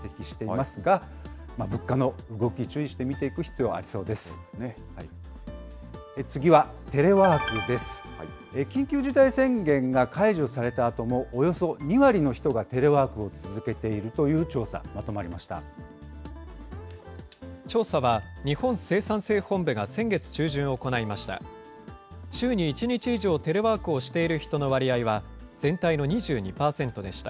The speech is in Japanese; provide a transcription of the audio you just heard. ま調査は、日本生産性本部が先月中旬、行いました。